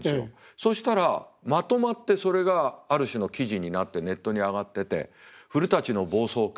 そしたらまとまってそれがある種の記事になってネットに上がってて「古の暴走か！